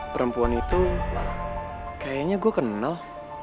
perempuan itu kayaknya gue kenal